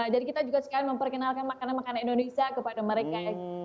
jadi kita juga suka memperkenalkan makanan makanan indonesia kepada mereka